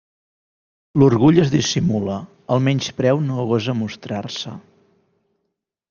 L'orgull es dissimula; el menyspreu no gosa mostrar-se.